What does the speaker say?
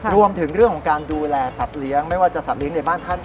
รวมถึงเรื่องของการดูแลสัตว์เลี้ยงไม่ว่าจะสัตว์เลี้ยในบ้านท่าน